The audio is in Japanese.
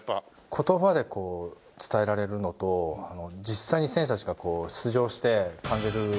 言葉で伝えられるのと実際に選手たちが出場して感じる雰囲気っていうんですかね